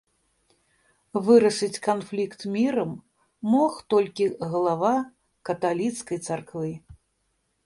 Вырашыць канфлікт мірам мог толькі глава каталіцкай царквы.